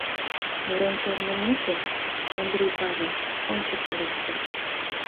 Мурен чарнымеке, Ондрий Павыл ончыко лекте: